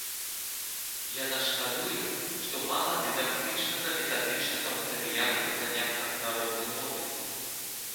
Яна шкадуе, што мала дыдактычнага, метадычнага матэрыялу па занятках на роднай мове.